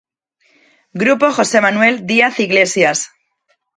Grupo Jose Manuel Diaz Iglesias.